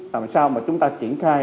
làm sao mà chúng ta triển khai